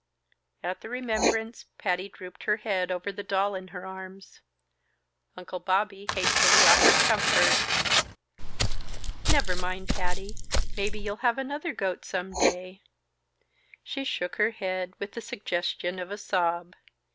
At the remembrance Patty drooped her head over the doll in her arms. Uncle Bobby hastily offered comfort. "Never mind, Patty! Maybe you'll have another goat some day." She shook her head, with the suggestion of a sob.